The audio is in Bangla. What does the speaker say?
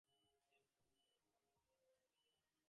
এই মন্ত্রযুক্ত চরণ-বন্ধনীটা দিশা বাতলে দেবে।